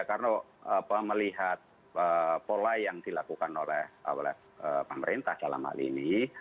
karena melihat pola yang dilakukan oleh pemerintah dalam hal ini